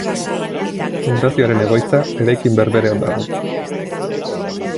Fundazioaren egoitza eraikin berberean dago.